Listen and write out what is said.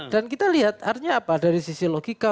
dan kita lihat artinya apa dari sisi logika